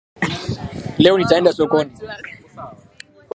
Leo nitaenda sokoni